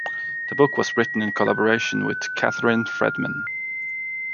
The book was written in collaboration with Catherine Fredman.